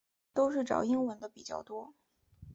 都是找英文的比较多